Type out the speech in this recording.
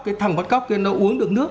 cái thằng bắt cóc kia nó uống được nước